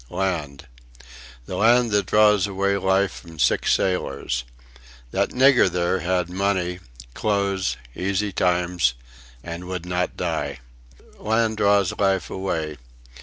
Land. The land that draws away life from sick sailors. That nigger there had money clothes easy times; and would not die. Land draws life away....